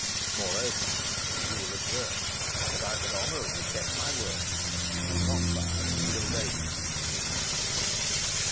Moreover, you will observe that I had honourably kept my word, and not fired till they did.